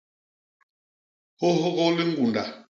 Hôhgô liñgunda.